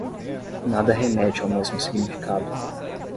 Nada remete ao mesmo significado